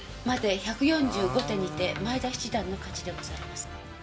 まで１４５手にて前田七段の勝ちでございます。